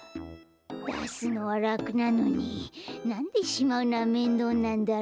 だすのはらくなのになんでしまうのはめんどうなんだろう。